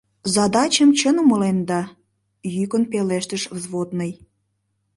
— Задачым чын умыленда! — йӱкын пелештыш взводный.